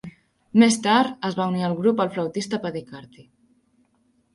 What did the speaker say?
Més tard es va unir al grup el flautista Paddy Carty.